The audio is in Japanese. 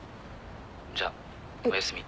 じゃおやすみ。